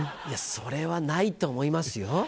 いやそれはないと思いますよ。